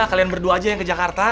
kalian berdua aja yang ke jakarta